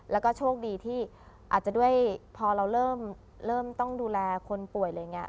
แล้วก็โชคดีที่อาจจะด้วยพอเราเริ่มต้องดูแลคนป่วยอะไรอย่างนี้